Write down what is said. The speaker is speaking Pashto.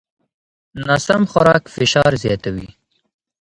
ناسم خوراک فشار زیاتوي.